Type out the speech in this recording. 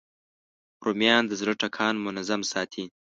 رومیان د زړه ټکان منظم ساتي